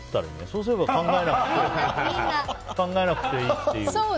そうすれば考えなくていいという。